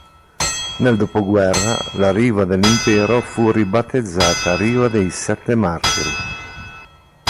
Nel dopoguerra la Riva dell'Impero fu ribattezzata Riva dei Sette Martiri.